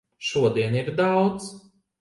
Šodien ir daudz.